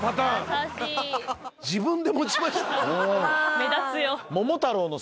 目立つよ。